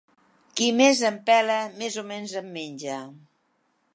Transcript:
Qui més en pela, més o menys en menja.